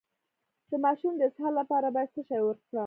د ماشوم د اسهال لپاره باید څه شی ورکړم؟